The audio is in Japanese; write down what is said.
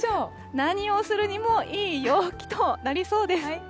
何をするにもいい陽気となりそうです。